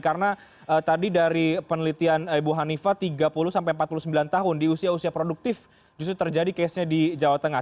karena tadi dari penelitian ibu hanifah tiga puluh sampai empat puluh sembilan tahun di usia usia produktif justru terjadi case nya di jawa tengah